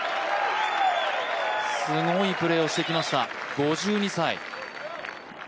すごいプレーをしてきました、５２歳。